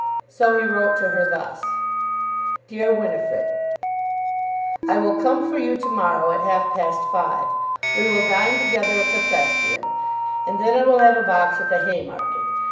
So he wrote to her thus; DEAR WINIFRID, I will come for you to morrow at half past five. We will dine together at the Thespian; and then I will have a box at the Haymarket.